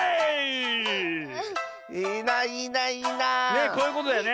ねえこういうことだよね。